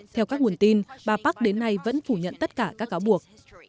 theo các nguồn tin bà park đến nay vẫn phủ nhận tất cả các cáo buộc